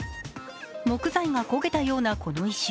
木材が焦げたような、この異臭。